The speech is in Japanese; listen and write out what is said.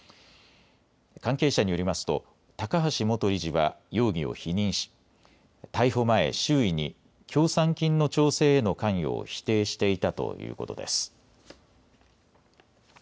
関係者によりますと高橋元理事は容疑を否認し、逮捕前、周囲に協賛金の調整への関与を否定していたということです。